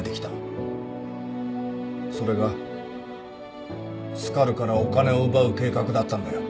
それがスカルからお金を奪う計画だったんだよ。